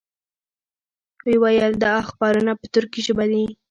وې ویل دا اخبارونه په تُرکي ژبه دي.